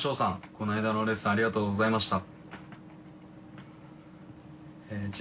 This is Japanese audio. この間のレッスンありがとうございました。